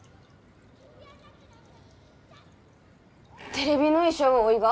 テレビの衣装をおいが？